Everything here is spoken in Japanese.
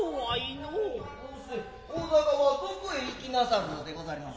然うして大坂は何処へ行きなさるのでござります。